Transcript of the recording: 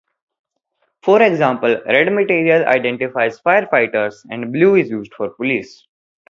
For example, red material identifies fire fighters, and blue is used for police.